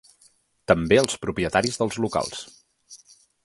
També els propietaris dels locals.